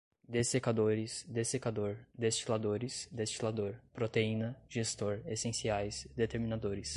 dessecadores, dessecador, destiladores, destilador, proteína, digestor, essenciais, determinadores